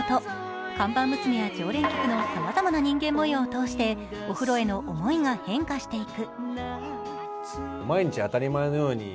看板娘や常連客のさまざまな人間もようを通してお風呂への思いが変化していく。